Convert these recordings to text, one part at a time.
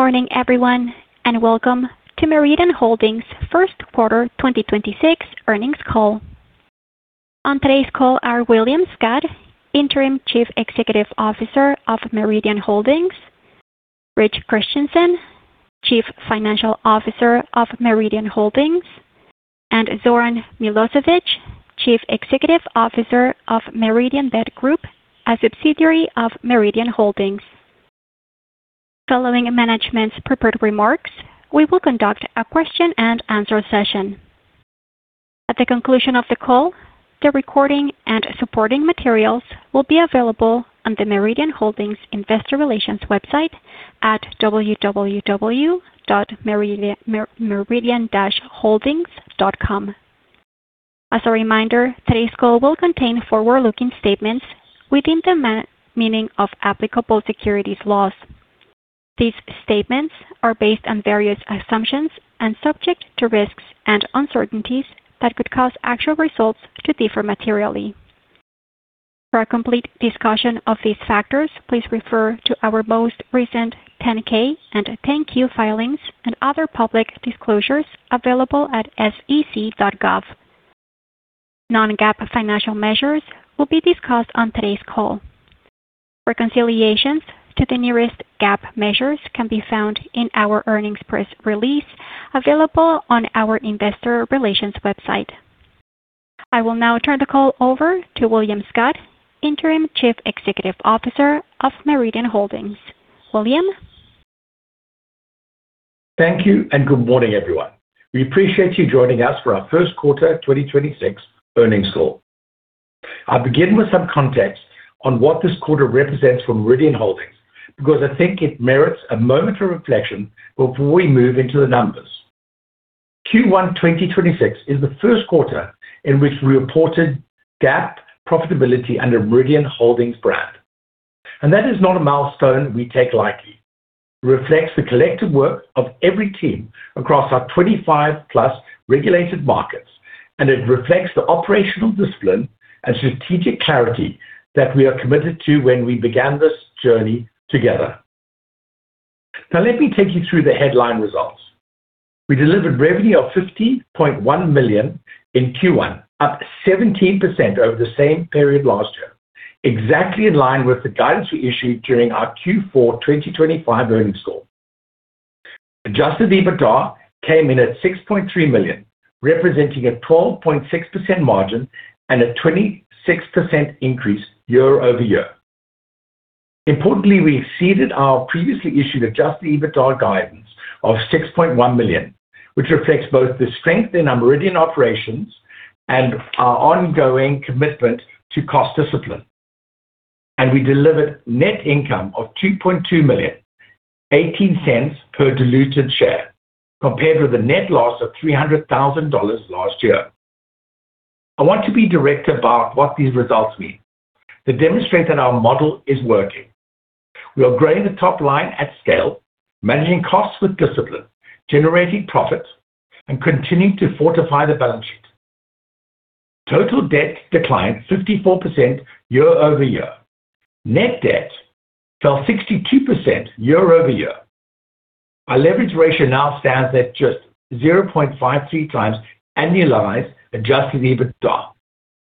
Good morning, everyone, and welcome to Meridian Holdings' first quarter 2026 earnings call. On today's call are William Scott, Interim Chief Executive Officer of Meridian Holdings, Rich Christensen, Chief Financial Officer of Meridian Holdings, and Zoran Milosevic, Chief Executive Officer of Meridianbet Group, a subsidiary of Meridian Holdings. Following management's prepared remarks, we will conduct a question-and-answer session. At the conclusion of the call, the recording and supporting materials will be available on the Meridian Holdings investor relations website at www.meridian-holdings.com. As a reminder, today's call will contain forward-looking statements within the meaning of applicable securities laws. These statements are based on various assumptions and subject to risks and uncertainties that could cause actual results to differ materially. For a complete discussion of these factors, please refer to our most recent 10-K and 10-Q filings and other public disclosures available at sec.gov. Non-GAAP financial measures will be discussed on today's call. Reconciliations to the nearest GAAP measures can be found in our earnings press release available on our investor relations website. I will now turn the call over to William Scott, Interim Chief Executive Officer of Meridian Holdings. William. Thank you. Good morning, everyone. We appreciate you joining us for our first quarter 2026 earnings call. I'll begin with some context on what this quarter represents for Meridian Holdings, because I think it merits a moment of reflection before we move into the numbers. Q1 2026 is the first quarter in which we reported GAAP profitability under Meridian Holdings brand, and that is not a milestone we take lightly. It reflects the collective work of every team across our 25+ regulated markets, and it reflects the operational discipline and strategic clarity that we are committed to when we began this journey together. Let me take you through the headline results. We delivered revenue of $50.1 million in Q1, up 17% over the same period last year, exactly in line with the guidance we issued during our Q4 2025 earnings call. Adjusted EBITDA came in at $6.3 million, representing a 12.6% margin and a 26% increase year-over-year. Importantly, we exceeded our previously issued Adjusted EBITDA guidance of $6.1 million, which reflects both the strength in our Meridian operations and our ongoing commitment to cost discipline. We delivered net income of $2.2 million, $0.18 per diluted share, compared with a net loss of $300,000 last year. I want to be direct about what these results mean. They demonstrate that our model is working. We are growing the top line at scale, managing costs with discipline, generating profit, and continuing to fortify the balance sheet. Total debt declined 54% year-over-year. Net debt fell 62% year-over-year. Our leverage ratio now stands at just 0.53x annualized Adjusted EBITDA,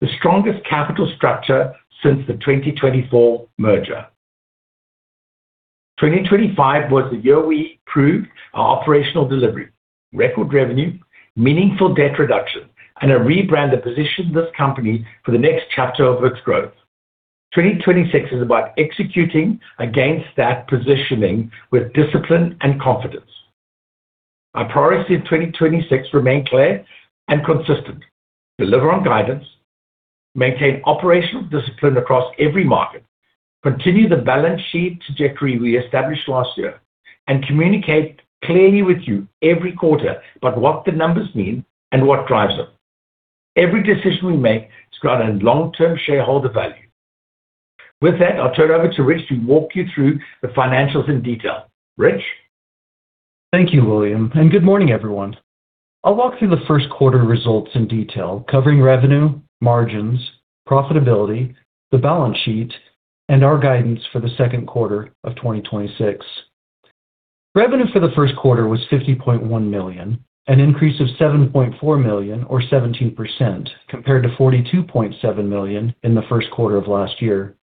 the strongest capital structure since the 2024 merger. 2025 was the year we proved our operational delivery, record revenue, meaningful debt reduction, and a rebrand that positioned this company for the next chapter of its growth. 2026 is about executing against that positioning with discipline and confidence. Our priorities in 2026 remain clear and consistent. Deliver on guidance, maintain operational discipline across every market, continue the balance sheet trajectory we established last year, and communicate clearly with you every quarter about what the numbers mean and what drives them. Every decision we make is grounded in long-term shareholder value. With that, I'll turn it over to Rich to walk you through the financials in detail. Rich. Thank you, William. Good morning, everyone. I'll walk through the first quarter results in detail, covering revenue, margins, profitability, the balance sheet, and our guidance for the second quarter of 2026. Revenue for the first quarter was $50.1 million, an increase of $7.4 million or 17% compared to $42.7 million in the first quarter of last year.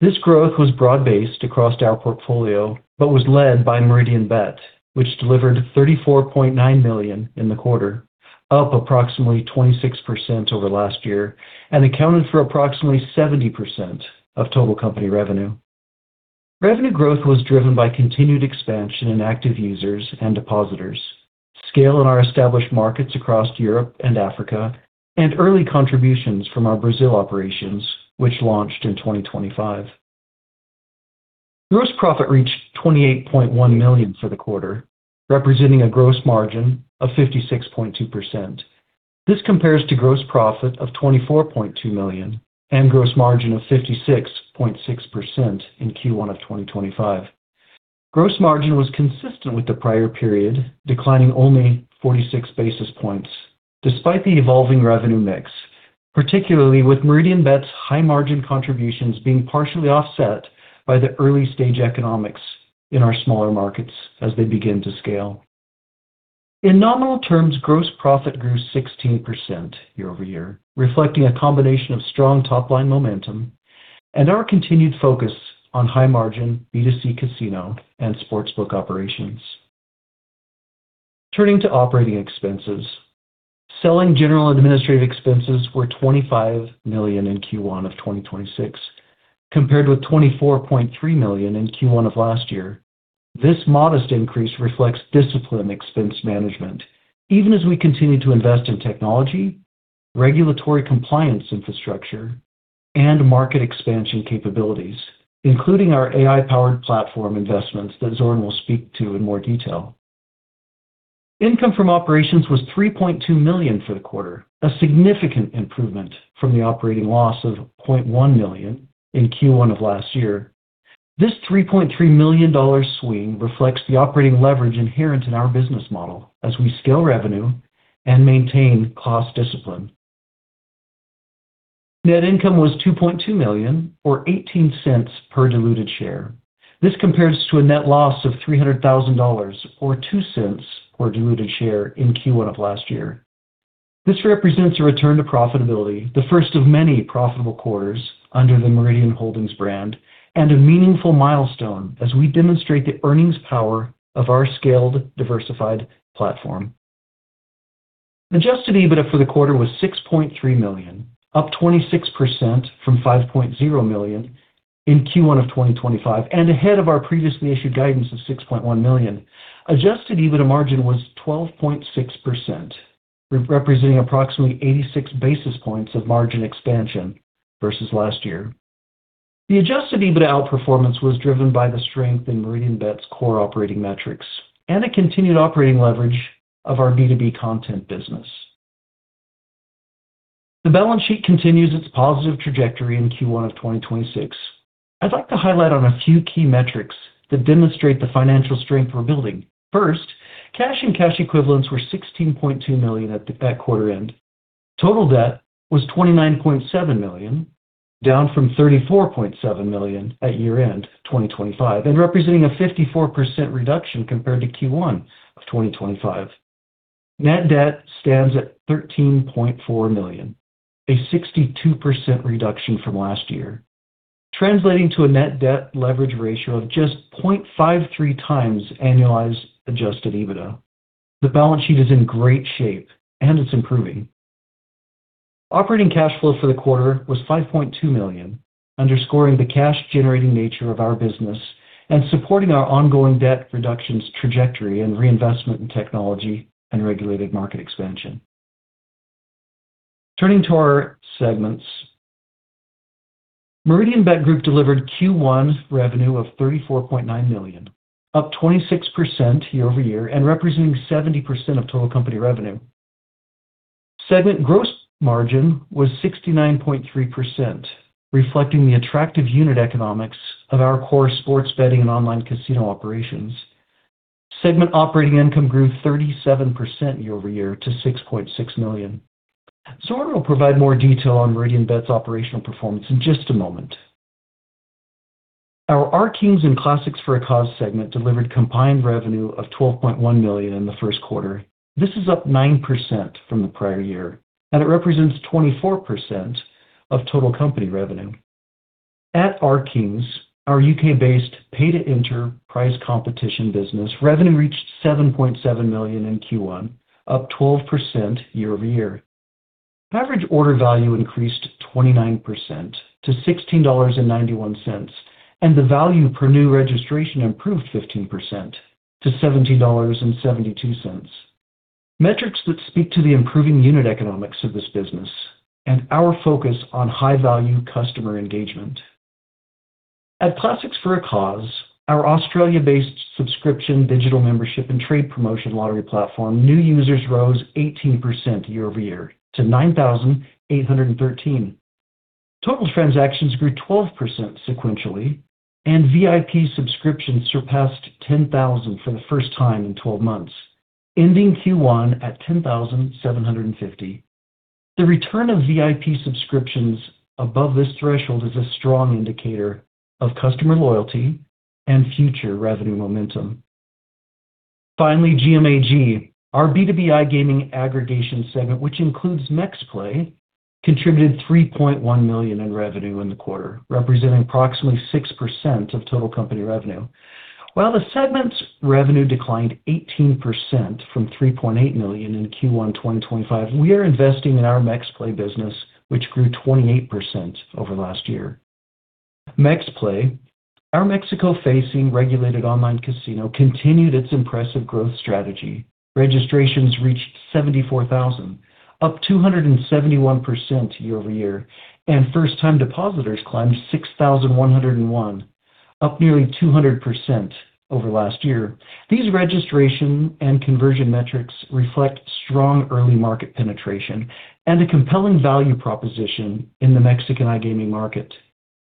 This growth was broad-based across our portfolio, but was led by Meridianbet, which delivered $34.9 million in the quarter, up approximately 26% over last year, and accounted for approximately 70% of total company revenue. Revenue growth was driven by continued expansion in active users and depositors, scale in our established markets across Europe and Africa, and early contributions from our Brazil operations, which launched in 2025. Gross profit reached $28.1 million for the quarter, representing a gross margin of 56.2%. This compares to gross profit of $24.2 million and gross margin of 56.6% in Q1 of 2025. Gross margin was consistent with the prior period, declining only 46 basis points despite the evolving revenue mix. Particularly with Meridianbet's high margin contributions being partially offset by the early-stage economics in our smaller markets as they begin to scale. In nominal terms, gross profit grew 16% year-over-year, reflecting a combination of strong top-line momentum and our continued focus on high-margin B2C casino and sportsbook operations. Turning to operating expenses, selling general administrative expenses were $25 million in Q1 of 2026, compared with $24.3 million in Q1 of last year. This modest increase reflects disciplined expense management, even as we continue to invest in technology, regulatory compliance infrastructure, and market expansion capabilities, including our AI-powered platform investments that Zoran will speak to in more detail. Income from operations was $3.2 million for the quarter, a significant improvement from the operating loss of $0.1 million in Q1 of last year. This $3.3 million swing reflects the operating leverage inherent in our business model as we scale revenue and maintain cost discipline. Net income was $2.2 million, or $0.18 per diluted share. This compares to a net loss of $300,000, or $0.02 per diluted share in Q1 of last year. This represents a return to profitability, the first of many profitable quarters under the Meridian Holdings brand, and a meaningful milestone as we demonstrate the earnings power of our scaled, diversified platform. Adjusted EBITDA for the quarter was $6.3 million, up 26% from $5.0 million in Q1 of 2025, and ahead of our previously issued guidance of $6.1 million. Adjusted EBITDA margin was 12.6%, representing approximately 86 basis points of margin expansion versus last year. The Adjusted EBITDA outperformance was driven by the strength in Meridianbet's core operating metrics and a continued operating leverage of our B2B content business. The balance sheet continues its positive trajectory in Q1 of 2026. I'd like to highlight on a few key metrics that demonstrate the financial strength we're building. First, cash and cash equivalents were $16.2 million at quarter end. Total debt was $29.7 million, down from $34.7 million at year-end 2025, and representing a 54% reduction compared to Q1 of 2025. Net debt stands at $13.4 million, a 62% reduction from last year, translating to a net debt leverage ratio of just 0.53x annualized Adjusted EBITDA. The balance sheet is in great shape, and it's improving. Operating cash flow for the quarter was $5.2 million, underscoring the cash-generating nature of our business and supporting our ongoing debt reductions trajectory and reinvestment in technology and regulated market expansion. Turning to our segments, Meridianbet Group delivered Q1 revenue of $34.9 million, up 26% year-over-year and representing 70% of total company revenue. Segment gross margin was 69.3%, reflecting the attractive unit economics of our core sports betting and online casino operations. Segment operating income grew 37% year-over-year to $6.6 million. Zoran will provide more detail on Meridianbet Group's operational performance in just a moment. Our RKings and Classics for a Cause segment delivered combined revenue of $12.1 million in the first quarter. This is up 9% from the prior year, and it represents 24% of total company revenue. At RKings, our U.K.-based pay-to-enter prize competition business, revenue reached $7.7 million in Q1, up 12% year-over-year. Average order value increased 29% to $16.91, and the value per new registration improved 15% to $17.72. Metrics that speak to the improving unit economics of this business and our focus on high-value customer engagement. At Classics for a Cause, our Australia-based subscription, digital membership, and trade promotion lottery platform, new users rose 18% year-over-year to 9,813. Total transactions grew 12% sequentially, and VIP subscriptions surpassed 10,000 for the first time in 12 months, ending Q1 at 10,750. The return of VIP subscriptions above this threshold is a strong indicator of customer loyalty and future revenue momentum. Finally, GMAG, our B2B iGaming aggregation segment, which includes MexPlay, contributed $3.1 million in revenue in the quarter, representing approximately 6% of total company revenue. While the segment's revenue declined 18% from $3.8 million in Q1 2025, we are investing in our MexPlay business, which grew 28% over last year. MexPlay, our Mexico-facing regulated online casino, continued its impressive growth strategy. Registrations reached 74,000, up 271% year-over-year, and first-time depositors climbed 6,101, up nearly 200% over last year. These registration and conversion metrics reflect strong early market penetration and a compelling value proposition in the Mexican iGaming market.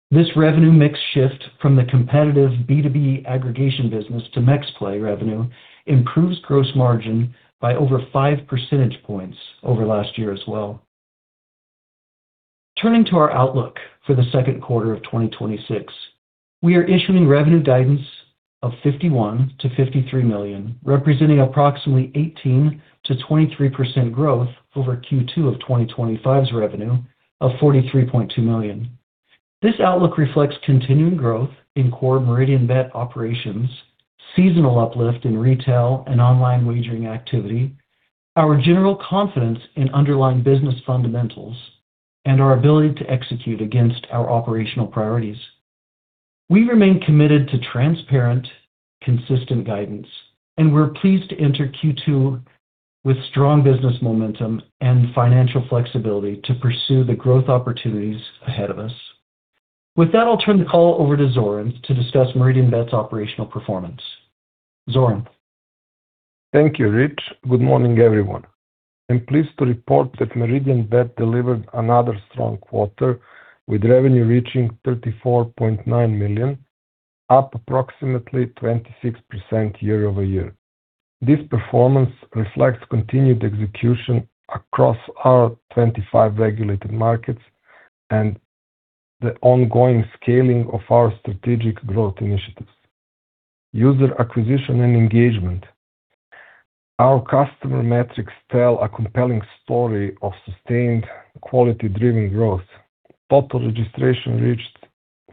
This revenue mix shift from the competitive B2B aggregation business to MexPlay revenue improves gross margin by over 5 percentage points over last year as well. Turning to our outlook for the second quarter of 2026, we are issuing revenue guidance of $51 million-$53 million, representing approximately 18%-23% growth over Q2 of 2025's revenue of $43.2 million. This outlook reflects continuing growth in core Meridianbet operations, seasonal uplift in retail and online wagering activity, our general confidence in underlying business fundamentals, and our ability to execute against our operational priorities. We remain committed to transparent, consistent guidance. We're pleased to enter Q2 with strong business momentum and financial flexibility to pursue the growth opportunities ahead of us. With that, I'll turn the call over to Zoran to discuss Meridianbet's operational performance. Zoran. Thank you, Rich. Good morning, everyone. I'm pleased to report that Meridianbet delivered another strong quarter, with revenue reaching $34.9 million, up approximately 26% year-over-year. This performance reflects continued execution across our 25 regulated markets and the ongoing scaling of our strategic growth initiatives. User acquisition and engagement. Our customer metrics tell a compelling story of sustained quality-driven growth. Total registration reached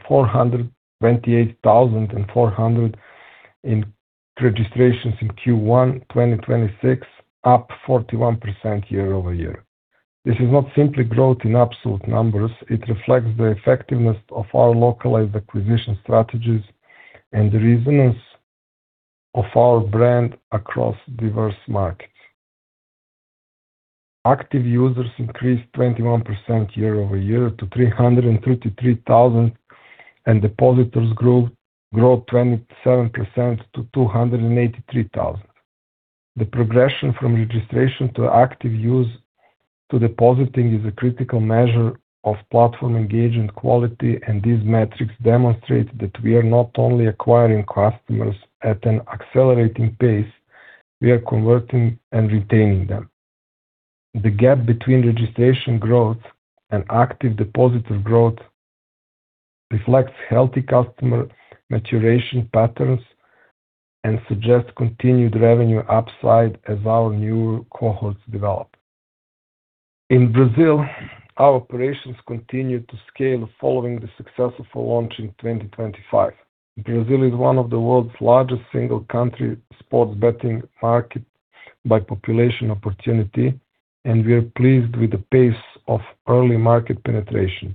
428,400 registrations in Q1 2026, up 41% year-over-year. This is not simply growth in absolute numbers. It reflects the effectiveness of our localized acquisition strategies and the resonance of our brand across diverse markets. Active users increased 21% year-over-year to 333,000, and depositors grew 27% to 283,000. The progression from registration to active use to depositing is a critical measure of platform engagement quality, and these metrics demonstrate that we are not only acquiring customers at an accelerating pace, we are converting and retaining them. The gap between registration growth and active depositor growth reflects healthy customer maturation patterns and suggests continued revenue upside as our new cohorts develop. In Brazil, our operations continue to scale following the successful launch in 2025. Brazil is one of the world's largest single country sports betting market by population opportunity, and we are pleased with the pace of early market penetration.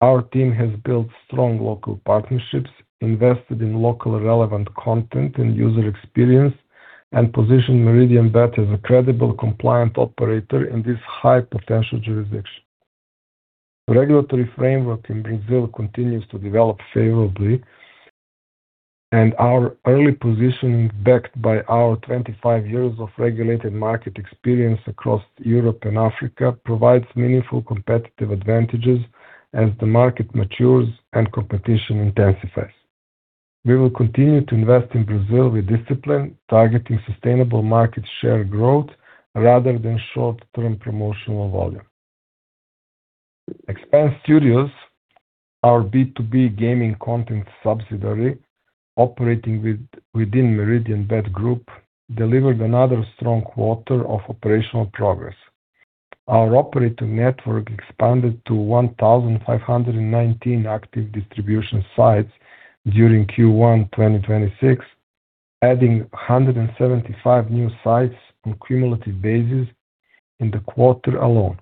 Our team has built strong local partnerships, invested in locally relevant content and user experience, and positioned Meridianbet as a credible, compliant operator in this high-potential jurisdiction. Regulatory framework in Brazil continues to develop favorably, and our early positioning, backed by our 25 years of regulated market experience across Europe and Africa, provides meaningful competitive advantages as the market matures and competition intensifies. We will continue to invest in Brazil with discipline, targeting sustainable market share growth rather than short-term promotional volume. Expanse Studios, our B2B gaming content subsidiary operating within Meridianbet Group, delivered another strong quarter of operational progress. Our operator network expanded to 1,519 active distribution sites during Q1 2026, adding 175 new sites on cumulative basis in the quarter alone.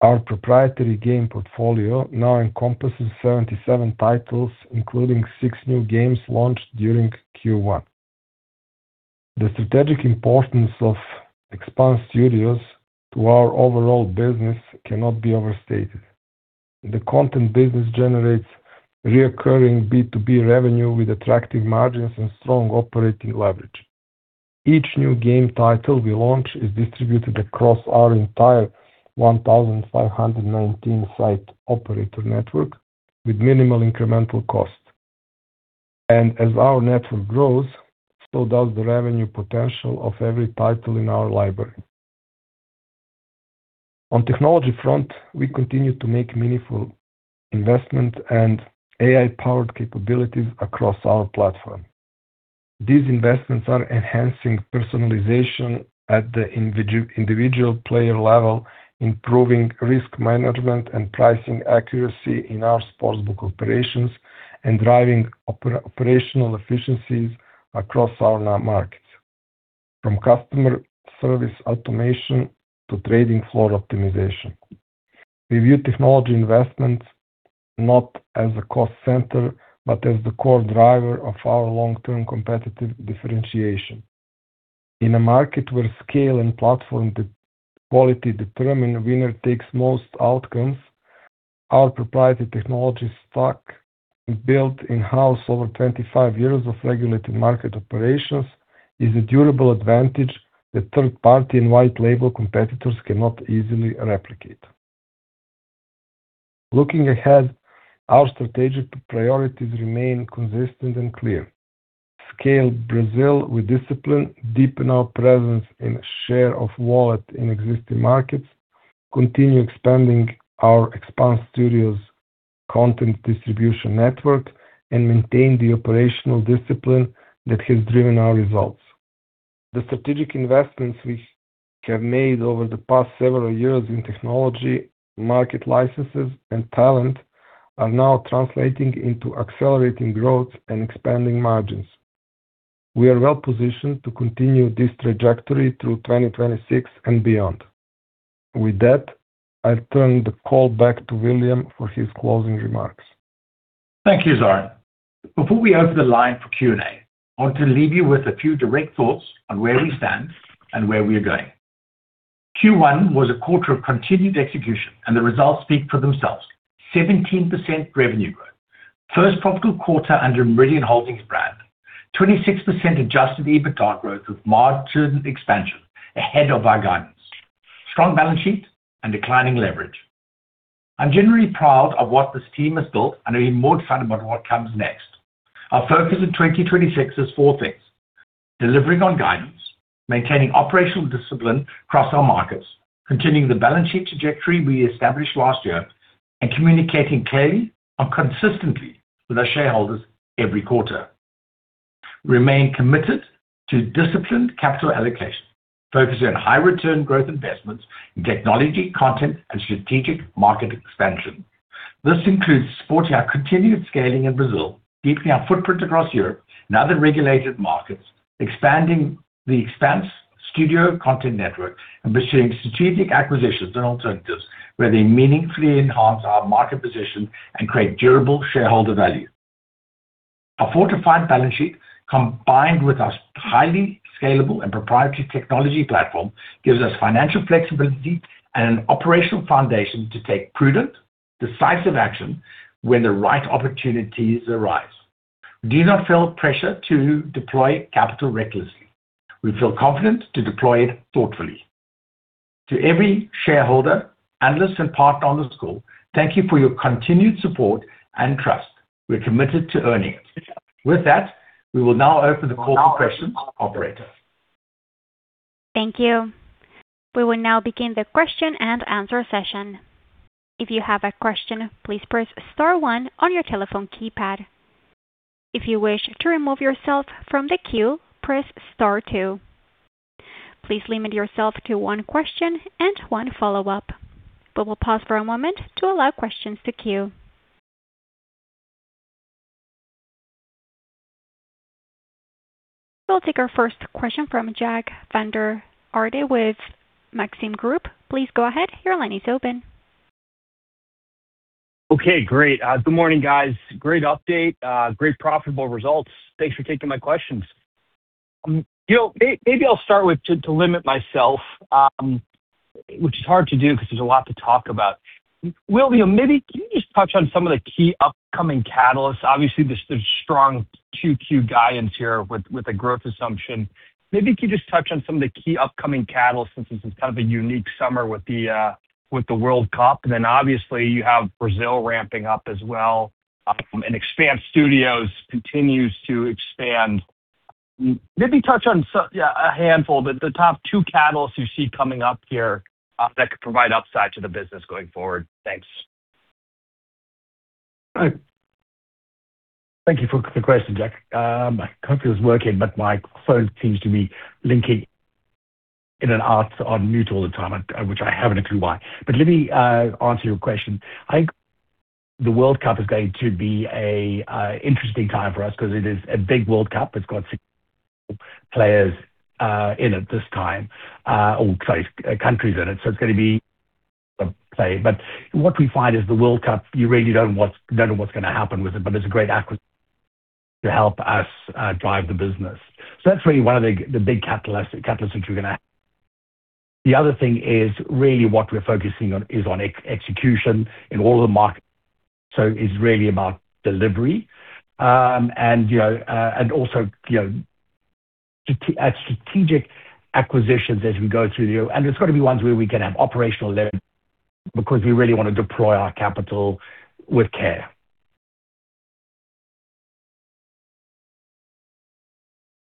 Our proprietary game portfolio now encompasses 77 titles, including six new games launched during Q1. The strategic importance of Expanse Studios to our overall business cannot be overstated. The content business generates recurring B2B revenue with attractive margins and strong operating leverage. Each new game title we launch is distributed across our entire 1,519 site operator network with minimal incremental cost. As our network grows, so does the revenue potential of every title in our library. On technology front, we continue to make meaningful investment and AI-powered capabilities across our platform. These investments are enhancing personalization at the individual player level, improving risk management and pricing accuracy in our sports book operations, and driving operational efficiencies across our markets, from customer service automation to trading floor optimization. We view technology investments not as a cost center, but as the core driver of our long-term competitive differentiation. In a market where scale and platform quality determine winner-takes-most outcomes, our proprietary technologies built in-house over 25 years of regulated market operations is a durable advantage that third-party and white label competitors cannot easily replicate. Looking ahead, our strategic priorities remain consistent and clear. Scale Brazil with discipline, deepen our presence in share of wallet in existing markets, continue expanding our Expanse Studios content distribution network, and maintain the operational discipline that has driven our results. The strategic investments we have made over the past several years in technology, market licenses and talent are now translating into accelerating growth and expanding margins. We are well-positioned to continue this trajectory through 2026 and beyond. With that, I turn the call back to William for his closing remarks. Thank you, Zoran. Before we open the line for Q&A, I want to leave you with a few direct thoughts on where we stand and where we are going. Q1 was a quarter of continued execution and the results speak for themselves. 17% revenue growth. First profitable quarter under Meridian Holdings brand. 26% Adjusted EBITDA growth with margin expansion ahead of our guidance. Strong balance sheet and declining leverage. I'm generally proud of what this team has built, and I'm even more excited about what comes next. Our focus in 2026 is four things: delivering on guidance, maintaining operational discipline across our markets, continuing the balance sheet trajectory we established last year, and communicating clearly and consistently with our shareholders every quarter. Remain committed to disciplined capital allocation, focusing on high return growth investments in technology, content, and strategic market expansion. This includes supporting our continued scaling in Brazil, deepening our footprint across Europe and other regulated markets, expanding the Expanse Studios content network, and pursuing strategic acquisitions and alternatives where they meaningfully enhance our market position and create durable shareholder value. A fortified balance sheet, combined with our highly scalable and proprietary technology platform, gives us financial flexibility and an operational foundation to take prudent, decisive action when the right opportunities arise. We do not feel pressure to deploy capital recklessly. We feel confident to deploy it thoughtfully. To every shareholder, analyst, and partner on this call, thank you for your continued support and trust. We are committed to earning it. With that, we will now open the call for questions. Operator. Thank you. We will now begin the question-and-answer session. If you have a question, please press star one on your telephone keypad. If you wish to remove yourself from the queue, press star two. Please limit yourself to one question and one follow-up. We will pause for a moment to allow questions to queue. We'll take our first question from Jack Vander Aarde with Maxim Group. Please go ahead. Your line is open. Okay, great. Good morning, guys. Great update. Great profitable results. Thanks for taking my questions. You know, maybe I'll start with to limit myself, which is hard to do 'cause there's a lot to talk about. William, maybe can you just touch on some of the key upcoming catalysts? Obviously, the strong 2Q guidance here with the growth assumption. Maybe can you just touch on some of the key upcoming catalysts since this is kind of a unique summer with the World Cup? Obviously you have Brazil ramping up as well, and Expanse Studios continues to expand. Maybe touch on yeah, a handful, but the top two catalysts you see coming up here that could provide upside to the business going forward. Thanks. Thank you for the question, Jack. I hope it was working, my phone seems to be linking in and out. It's on mute all the time, which I haven't a clue why. Let me answer your question. I think the World Cup is going to be a interesting time for us 'cause it is a big World Cup. It's got players in it this time, or sorry, countries in it's gonna be a play. What we find is the World Cup, you really don't know what's gonna happen with it, but it's a great acquisition to help us drive the business. That's really one of the big catalysts which we're gonna have. The other thing is really what we're focusing on is on execution in all the markets. It's really about delivery. You know, and also, you know, at strategic acquisitions as we go through the year. It's gotta be ones where we can have operational leverage because we really wanna deploy our capital with care.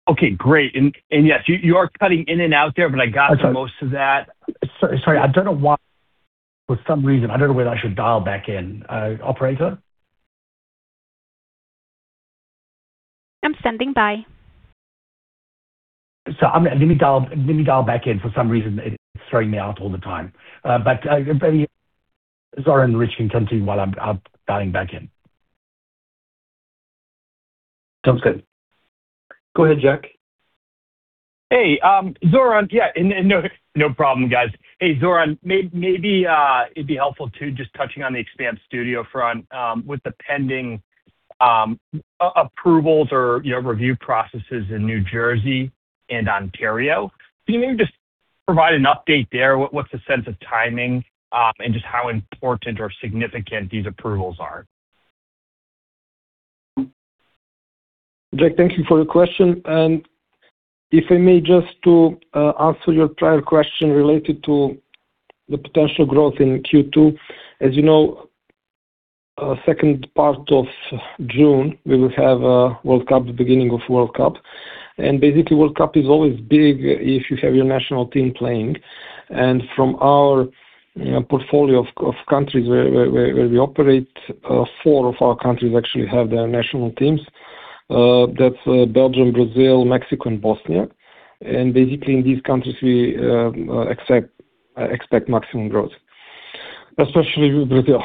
Okay, great. yes, you are cutting in and out there, I got through most of that. Sorry. I don't know for some reason, I don't know whether I should dial back in. operator? I'm standing by. Let me dial back in. For some reason, it's throwing me out all the time. Maybe Zoran and Rich can continue while I'm dialing back in. Sounds good. Go ahead, Jack. Hey, Zoran. Yeah, and no problem, guys. Hey, Zoran, maybe it'd be helpful to just touching on the Expanse Studios front with the pending approvals or, you know, review processes in New Jersey and Ontario. Do you maybe just provide an update there? What's the sense of timing and just how important or significant these approvals are? Jack, thank you for your question. If I may just to answer your prior question related to the potential growth in Q2. As you know, second part of June, we will have a World Cup, the beginning of World Cup. Basically, World Cup is always big if you have your national team playing. From our, you know, portfolio of countries where we operate, four of our countries actually have their national teams. That's Belgium, Brazil, Mexico, and Bosnia. Basically, in these countries we expect maximum growth, especially with Brazil.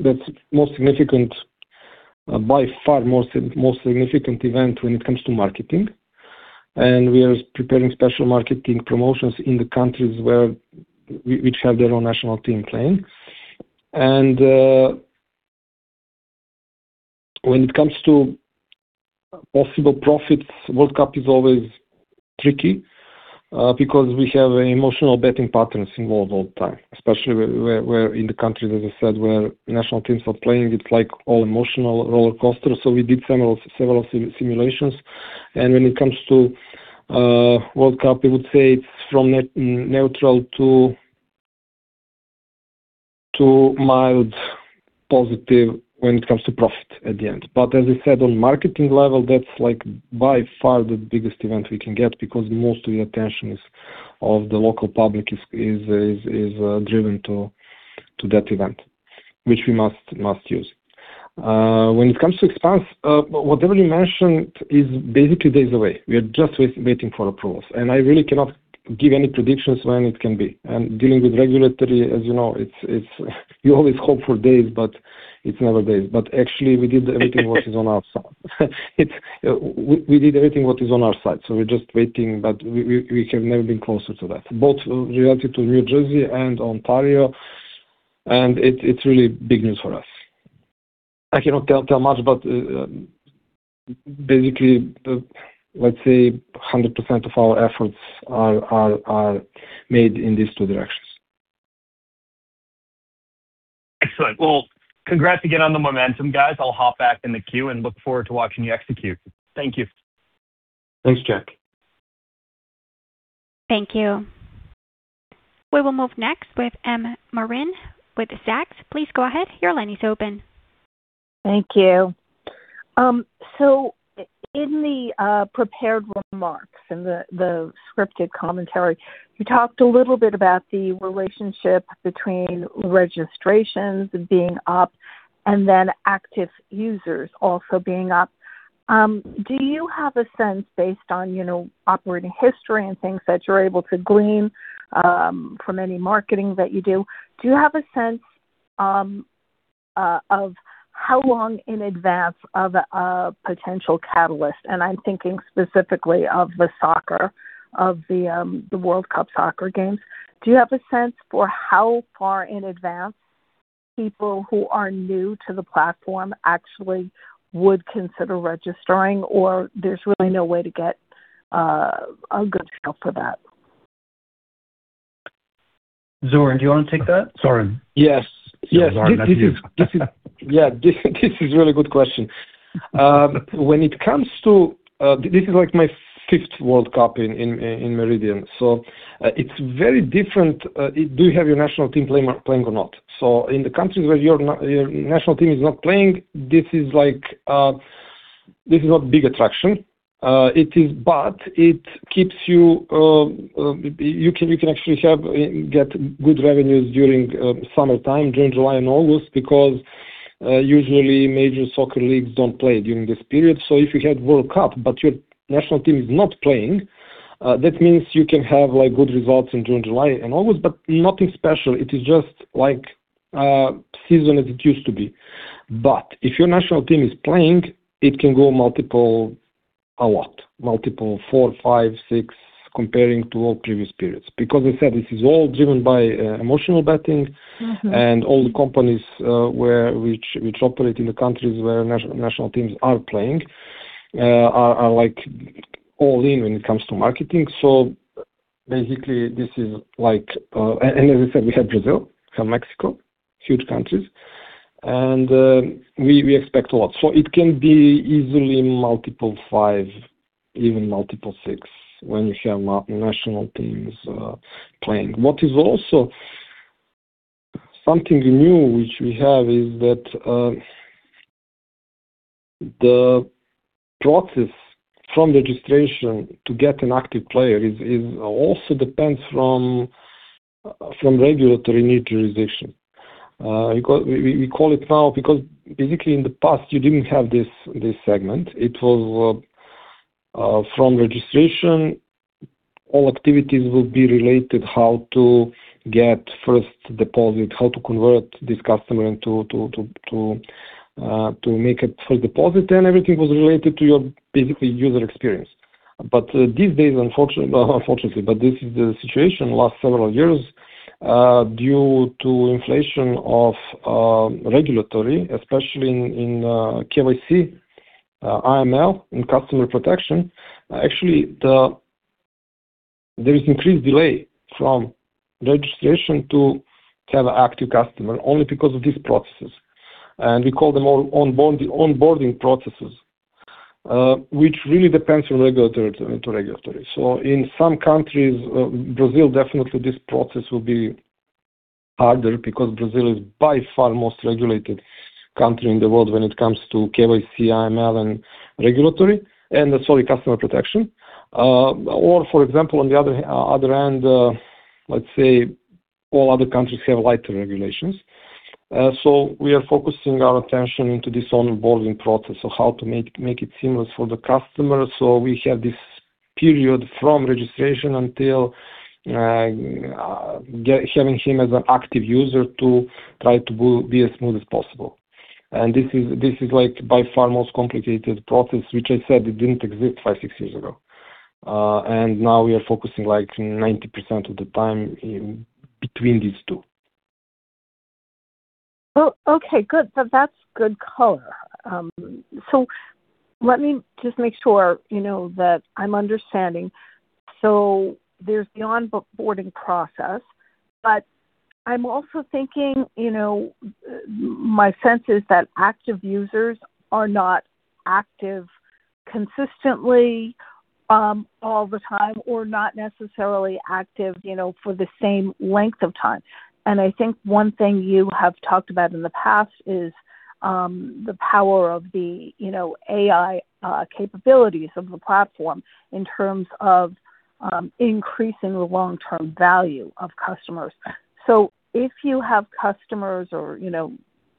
That's more significant, by far most significant event when it comes to marketing. We are preparing special marketing promotions in the countries which have their own national team playing. When it comes to possible profits, World Cup is always tricky because we have emotional betting patterns involved all time. Especially where in the countries, as I said, where national teams are playing, it's like all emotional roller coaster. We did several simulations. When it comes to World Cup, we would say it's from neutral to mild positive when it comes to profit at the end. As I said, on marketing level, that's like by far the biggest event we can get because most of the attention of the local public is driven to that event, which we must use. When it comes to expense, whatever you mentioned is basically days away. We are just waiting for approvals. I really cannot give any predictions when it can be. Dealing with regulatory, as you know, it's you always hope for days, but it's never days. Actually, we did everything what is on our side. We did everything what is on our side. We're just waiting. We have never been closer to that, both relative to New Jersey and Ontario, and it's really big news for us. I cannot tell much, but basically, let's say 100% of our efforts are made in these two directions. Excellent. congrats again on the momentum, guys. I'll hop back in the queue and look forward to watching you execute. Thank you. Thanks, Jack. Thank you. We will move next with M. Marin with the Zacks. Please go ahead. Your line is open. Thank you. In the prepared remarks, in the scripted commentary, you talked a little bit about the relationship between registrations being up and then active users also being up. Do you have a sense based on, you know, operating history and things that you're able to glean from any marketing that you do? Do you have a sense of how long in advance of a potential catalyst, and I'm thinking specifically of the soccer, of the World Cup soccer games. Do you have a sense for how far in advance people who are new to the platform actually would consider registering, or there's really no way to get a good feel for that? Zoran, do you want to take that? Zoran. Yes. Yes. Zoran, that's you. This is. Yeah, this is really good question. When it comes to, this is like my fifth World Cup in Meridian. It's very different, do you have your national team playing or not? In the countries where your national team is not playing, this is like, this is not big attraction. It is but it keeps you can actually have, get good revenues during summertime, June, July and August, because usually major soccer leagues don't play during this period. If you had World Cup, but your national team is not playing, that means you can have, like, good results in June, July and August, but nothing special. It is just like, season as it used to be. If your national team is playing, it can go multiple a lot. Multiple four, five, six, comparing to all previous periods. As I said, this is all driven by emotional betting. Mm-hmm. All the companies, where which operate in the countries where national teams are playing, are like all in when it comes to marketing. Basically, this is like, and as I said, we have Brazil and Mexico, huge countries, and we expect a lot. It can be easily multiple five, even multiple six when you have national teams playing. What is also something new which we have is that the process from registration to get an active player is also depends from regulatory neutralization. We call it now because basically in the past you didn't have this segment. It was from registration, all activities will be related how to get first deposit, how to convert this customer into to make a first deposit, and everything was related to your basically user experience. These days, unfortunately, but this is the situation last several years. Due to inflation of regulatory, especially in KYC, AML, and customer protection, actually there is increased delay from registration to have an active customer only because of these processes, and we call them all onboarding processes, which really depends on regulatory to regulatory. In some countries, Brazil, definitely this process will be harder because Brazil is by far most regulated country in the world when it comes to KYC, AML and regulatory, and sorry, customer protection. Or for example, on the other end, let's say all other countries have lighter regulations. So we are focusing our attention into this onboarding process of how to make it seamless for the customer. So we have this period from registration until having him as an active user to try to go be as smooth as possible. This is like by far most complicated process, which I said it didn't exist five, six years ago. Now we are focusing like 90% of the time in between these two. Well, okay, good. That's good color. Let me just make sure, you know, that I'm understanding. There's the onboarding process, but I'm also thinking, you know, my sense is that active users are not active consistently all the time or not necessarily active, you know, for the same length of time. I think one thing you have talked about in the past is the power of the, you know, AI capabilities of the platform in terms of increasing the long-term value of customers. If you have customers or, you know,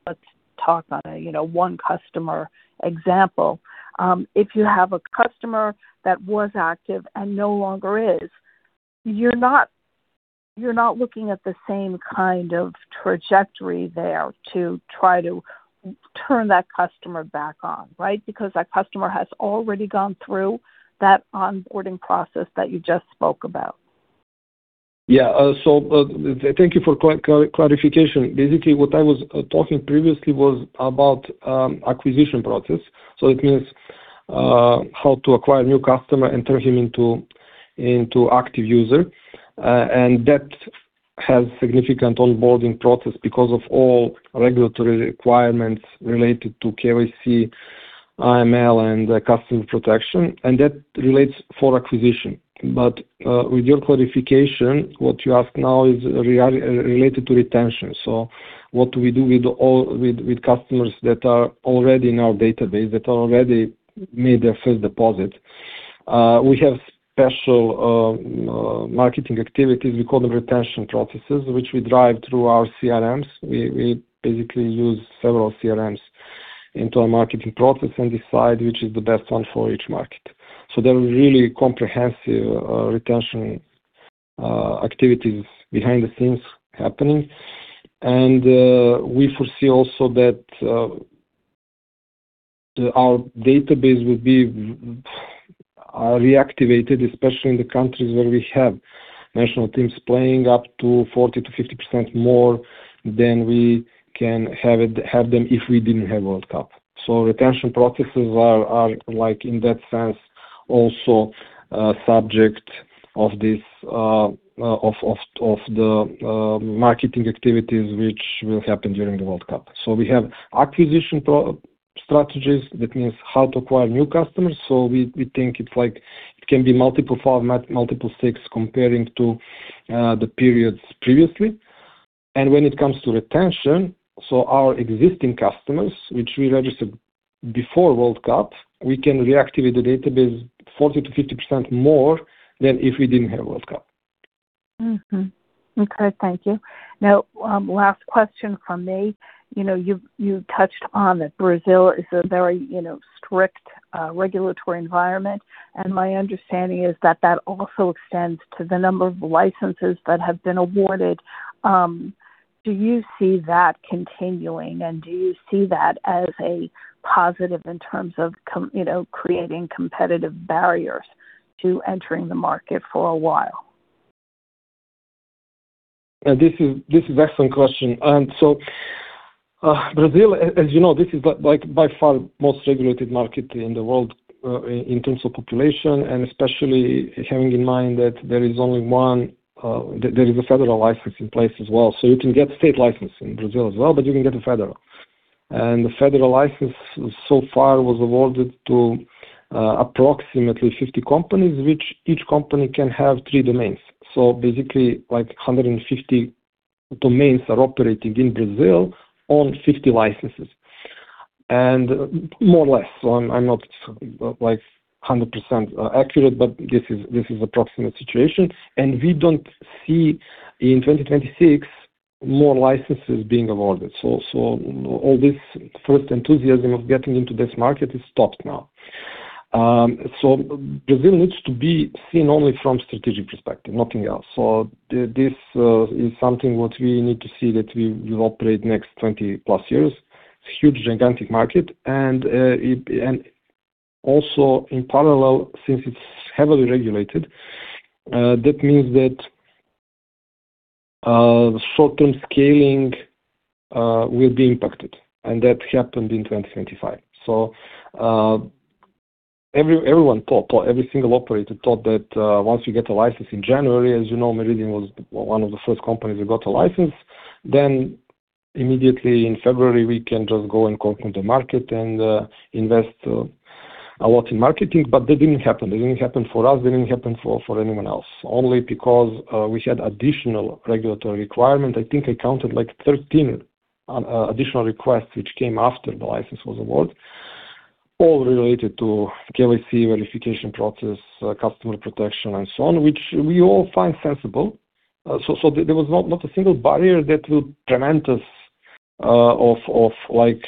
let's talk on a, you know, one customer example. If you have a customer that was active and no longer is, you're not, you're not looking at the same kind of trajectory there to try to turn that customer back on, right? Because that customer has already gone through that onboarding process that you just spoke about. Thank you for clarification. Basically, what I was talking previously was about acquisition process. It means how to acquire a new customer and turn him into active user. That has significant onboarding process because of all regulatory requirements related to KYC, AML, and customer protection. That relates for acquisition. With your clarification, what you ask now is related to retention. What do we do with customers that are already in our database, that already made their first deposit? We have special marketing activities. We call them retention processes, which we drive through our CRMs. We basically use several CRMs into our marketing process and decide which is the best one for each market. There are really comprehensive retention activities behind the scenes happening. We foresee also that our database will be reactivated, especially in the countries where we have national teams playing up to 40%-50% more than we can have them if we didn't have World Cup. Retention processes are like in that sense also subject of this of the marketing activities which will happen during the World Cup. We have acquisition strategies, that means how to acquire new customers. We think it's like it can be multiple five, multiple six comparing to the periods previously. When it comes to retention, our existing customers, which we registered before World Cup, we can reactivate the database 40%-50% more than if we didn't have World Cup. Okay. Thank you. Now, last question from me. You know, you touched on that Brazil is a very, you know, strict, regulatory environment, and my understanding is that that also extends to the number of licenses that have been awarded. Do you see that continuing, and do you see that as a positive in terms of you know, creating competitive barriers to entering the market for a while? This is excellent question. Brazil, as you know, this is by like by far most regulated market in the world, in terms of population and especially having in mind that there is only one, there is a federal license in place as well. You can get state license in Brazil as well, but you can get a federal. The federal license so far was awarded to approximately 50 companies, which each company can have three domains. Basically, like 150 domains are operating in Brazil on 50 licenses, and more or less. I'm not like 100% accurate, but this is approximate situation. We don't see in 2026 more licenses being awarded. All this first enthusiasm of getting into this market is stopped now. Brazil needs to be seen only from strategic perspective, nothing else. This is something what we need to see that we will operate next 20+ years. It's huge, gigantic market, and Also in parallel, since it's heavily regulated, that means that the short-term scaling will be impacted, and that happened in 2025. Everyone thought or every single operator thought that once you get a license in January, as you know, Meridian was one of the first companies who got a license. Immediately in February, we can just go and conquer the market and invest a lot in marketing. That didn't happen. It didn't happen for us, it didn't happen for anyone else. Only because we had additional regulatory requirement. I think I counted like 13 additional requests which came after the license was awarded, all related to KYC verification process, customer protection and so on, which we all find sensible. There was not a single barrier that will prevent us of like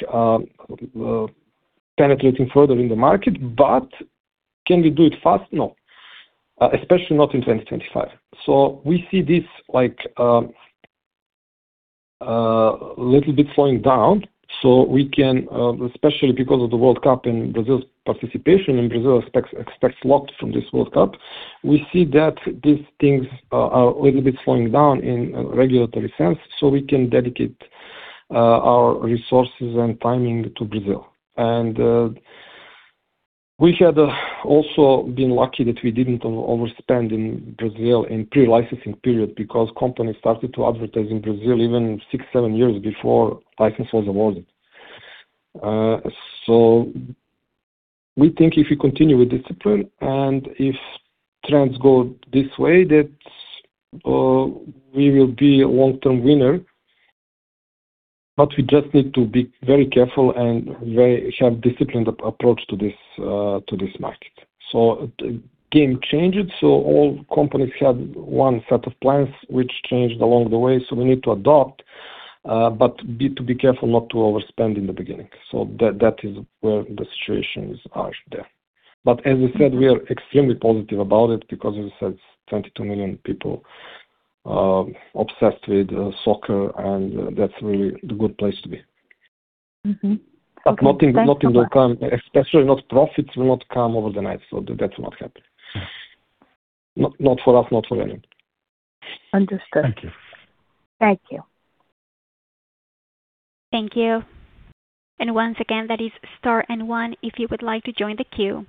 penetrating further in the market. Can we do it fast? No. Especially not in 2025. We see this like little bit slowing down. We can, especially because of the World Cup and Brazil's participation, and Brazil expects lot from this World Cup. We see that these things are a little bit slowing down in regulatory sense, so we can dedicate our resources and timing to Brazil. We had also been lucky that we didn't overspend in Brazil in pre-licensing period because companies started to advertise in Brazil even six, seven years before license was awarded. We think if we continue with discipline and if trends go this way, that we will be a long-term winner. We just need to be very careful and have a disciplined approach to this market. The game changed, so all companies had one set of plans which changed along the way, so we need to adapt, but to be careful not to overspend in the beginning. That is where the situation is there. As I said, we are extremely positive about it because as I said, 22 million people, obsessed with soccer, and that's really the good place to be. Mm-hmm. Nothing, nothing will come, especially not profits, will not come overnight. That's not happening. Not for us, not for anyone. Understood. Thank you. Thank you. Thank you. Once again, that is star and one if you would like to join the queue.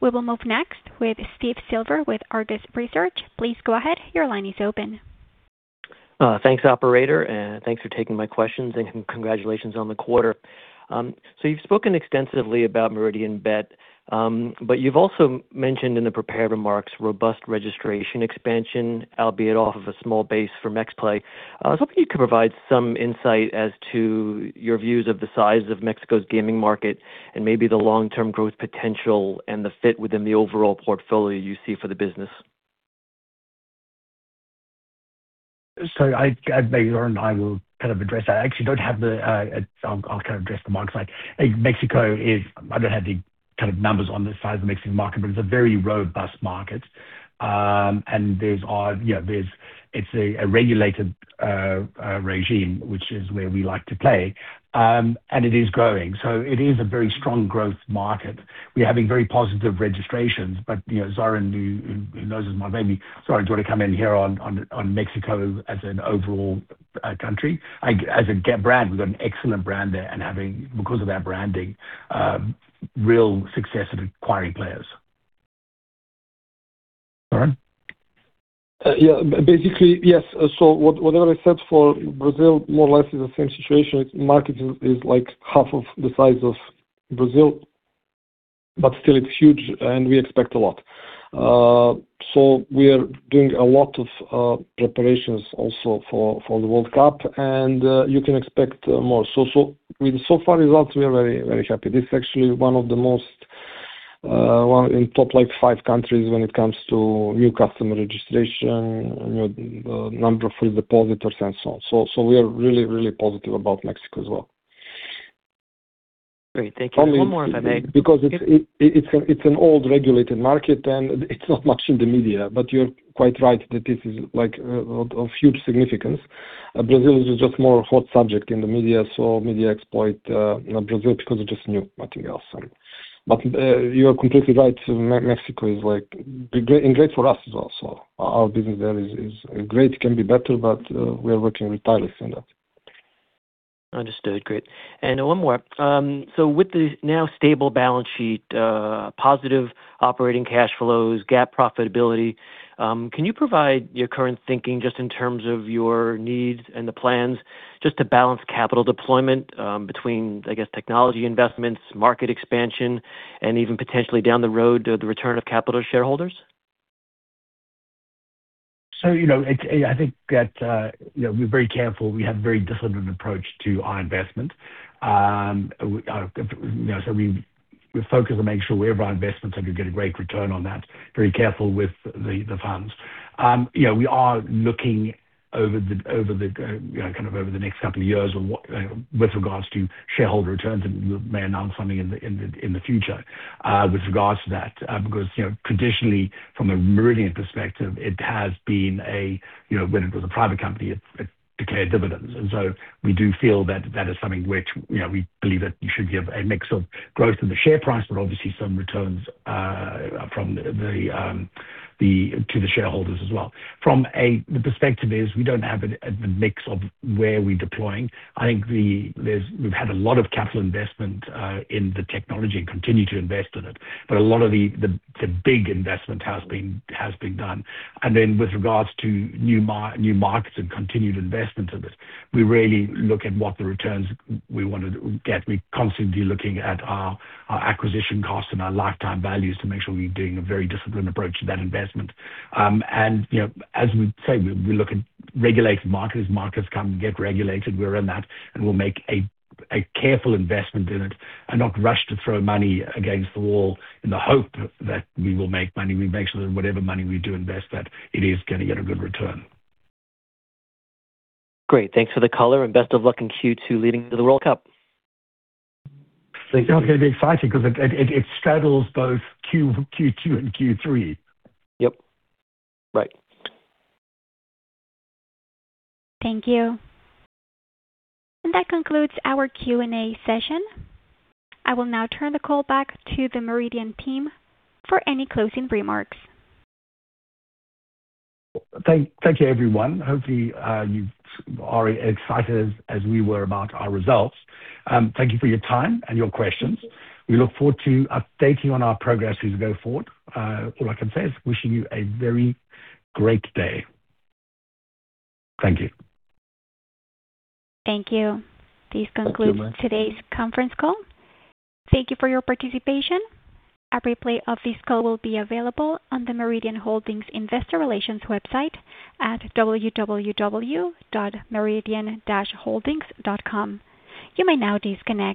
We will move next with Steve Silver with Argus Research. Please go ahead. Your line is open. Thanks, operator, and thanks for taking my questions, and congratulations on the quarter. You've spoken extensively about Meridianbet, but you've also mentioned in the prepared remarks, robust registration expansion, albeit off of a small base for MexPlay. I was hoping you could provide some insight as to your views of the size of Mexico's gaming market and maybe the long-term growth potential and the fit within the overall portfolio you see for the business. Maybe Zoran and I will kind of address that. I actually don't have the, I'll kind of address the market side. I don't have the kind of numbers on the size of the Mexican market, but it's a very robust market. There's, you know, it's a regulated regime, which is where we like to play. It is growing. It is a very strong growth market. We're having very positive registrations, you know, Zoran, who knows his my baby. Zoran, do you want to come in here on Mexico as an overall country? As a brand, we've got an excellent brand there and having, because of our branding, real success at acquiring players. Zoran? Yeah. Basically, yes. Whatever I said for Brazil more or less is the same situation. Market is like half of the size of Brazil, but still it's huge and we expect a lot. We are doing a lot of preparations also for the World Cup, and you can expect more. With so far results, we are very, very happy. This is actually one of the most, one in top like five countries when it comes to new customer registration, you know, number of first depositors and so on. We are really, really positive about Mexico as well. Great. Thank you. One more if I may. Because it's an old regulated market and it's not much in the media, but you're quite right that this is like of huge significance. Brazil is just more hot subject in the media, so media exploit, you know, Brazil because it's just new, nothing else. But you're completely right. Mexico is like great and great for us as well. So our business there is great. It can be better, but we are working tirelessly on that. Understood. Great. One more. With the now stable balance sheet, positive operating cash flows, GAAP profitability, can you provide your current thinking just in terms of your needs and the plans just to balance capital deployment, between, I guess, technology investments, market expansion and even potentially down the road, the return of capital to shareholders? You know, it's, I think that, you know, we're very careful. We have a very disciplined approach to our investment. You know, We're focused to make sure where our investments are going to get a great return on that. Very careful with the funds. You know, we are looking over the, you know, kind of over the next two years on what with regards to shareholder returns, we may announce something in the future with regards to that. You know, traditionally from a Meridian perspective, it has been a, you know, when it was a private company, it declared dividends. We do feel that that is something which, you know, we believe that you should give a mix of growth in the share price, but obviously some returns to the shareholders as well. From the perspective is we don't have a mix of where we're deploying. I think we've had a lot of capital investment in the technology and continue to invest in it. A lot of the big investment has been done. With regards to new markets and continued investment of it, we really look at what the returns we wanna get. We're constantly looking at our acquisition costs and our lifetime values to make sure we're doing a very disciplined approach to that investment. You know, as we say, we look at regulated markets. Markets come and get regulated. We're in that, and we'll make a careful investment in it and not rush to throw money against the wall in the hope that we will make money. We make sure that whatever money we do invest, that it is gonna get a good return. Great. Thanks for the color and best of luck in Q2 leading to the World Cup. Thank you. It's gonna be exciting 'cause it straddles both Q2 and Q3. Yep. Right. Thank you. That concludes our Q&A session. I will now turn the call back to the Meridian team for any closing remarks. Thank you, everyone. Hopefully, you are excited as we were about our results. Thank you for your time and your questions. We look forward to updating on our progress as we go forward. All I can say is wishing you a very great day. Thank you. Thank you. This concludes today's conference call. Thank you for your participation. A replay of this call will be available on the Meridian Holdings Investor Relations website at www.meridian-holdings.com. You may now disconnect.